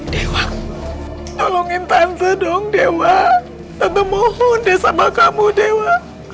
dewa tolongin tante dong dewa tapi mohon dia sama kamu dewa